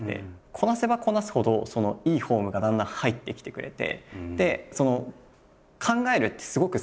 こなせばこなすほどいいフォームがだんだん入ってきてくれて。